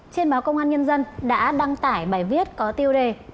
trên báo công an nhân dân đã đăng tải bài viết có tiêu đề